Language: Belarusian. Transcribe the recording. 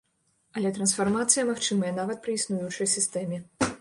Але трансфармацыя магчымая нават пры існуючай сістэме.